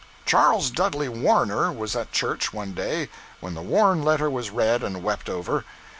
Charles Dudley Warner was at church, one day, when the worn letter was read and wept over.